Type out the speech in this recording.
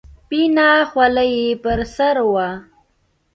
سپينه خولۍ يې پر سر وه.